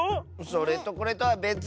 それとこれとはべつ！